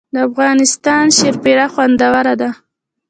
د افغانستان شیرپیره خوندوره ده